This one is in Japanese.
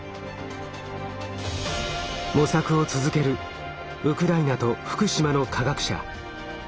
模索を続けるウクライナと福島の科学者。